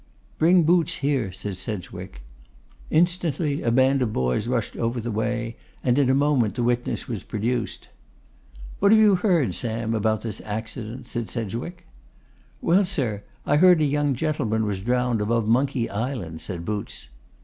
'Bring Boots here,' said Sedgwick. Instantly a band of boys rushed over the way, and in a moment the witness was produced. 'What have you heard, Sam, about this accident?' said Sedgwick. 'Well, sir, I heard a young gentleman was drowned above Monkey Island,' said Boots.